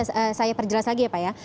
saya perjelas lagi ya pak ya